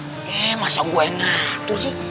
oke masa gue yang ngatur sih